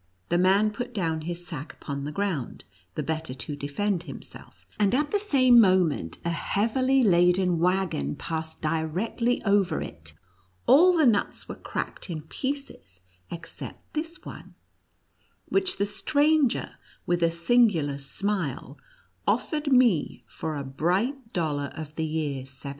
The man put down his sack upon the ground, the better to defend himself, and at the same moment, a heavily laden wagon passed directly over it ; all the nuts were cracked in pieces except this one, which the stranger, with a singular smile, offered me, for a bright dollar of the year 1720.